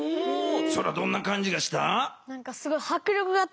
そらどんな感じがした？